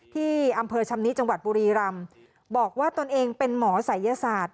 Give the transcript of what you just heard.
ที่อำเภอชำนิจังหวัดบุรีรำบอกว่าตนเองเป็นหมอศัยยศาสตร์